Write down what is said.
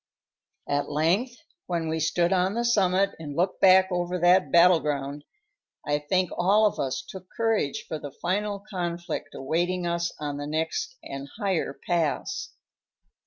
At length, when we stood on the summit and looked back over that battle ground, I think all of us took courage for the final conflict awaiting us on the next and higher pass.